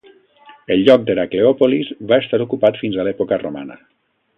El lloc de Herakleopolis va estar ocupat fins a l'època romana.